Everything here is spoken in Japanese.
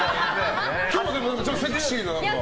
今日、何かセクシーな。